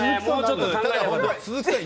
鈴木さん